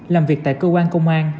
làm việc tại cơ quan công an